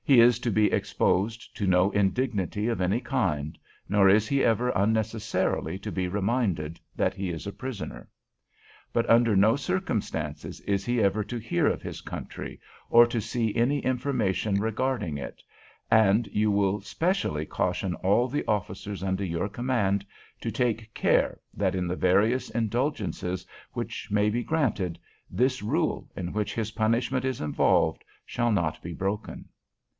He is to be exposed to no indignity of any kind, nor is he ever unnecessarily to be reminded that he is a prisoner. "But under no circumstances is he ever to hear of his country or to see any information regarding it; and you will especially caution all the officers under your command to take care, that, in the various indulgences which may be granted, this rule, in which his punishment is involved, shall not be broken.